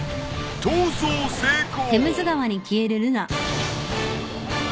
［逃走成功！］